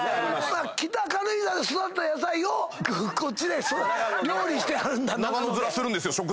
北軽井沢で育てた野菜をこっちで料理してはるんだ。